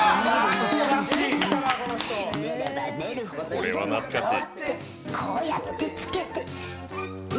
これは懐かしい。